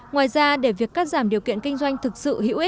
ngoài ra để việc cắt giảm điều kiện kinh doanh thực sự